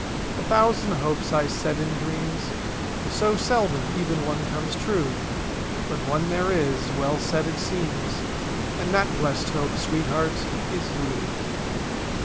A thousand hopes I see in dreams. So seldom even one comes true— But one there is, well set it seems. And that blest hope, sweetheart, is you.